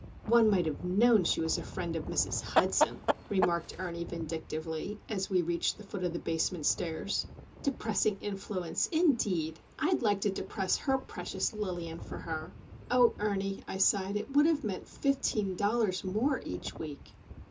"One might have known she was a friend of Mrs. Hudson," remarked Ernie, vindictively, as we reached the foot of the basement stairs. "Depressing influence, indeed! I'd like to depress her precious Lilian for her!" "Oh, Ernie," I sighed. "It would have meant fifteen dollars more each week!"